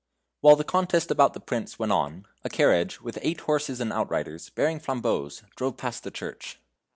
While the contest about the Prince went on, a carriage, with eight horses and outriders, bearing flambeaux, drove past the church.